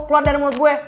keluar dari mulut gue